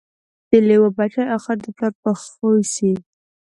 د لېوه بچی آخر د پلار په خوی سي